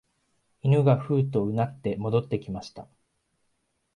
犬がふうと唸って戻ってきました